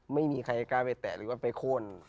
ไม่มีใครกล้าไปแตะหรือว่าไปโค้น